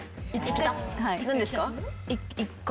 何ですか？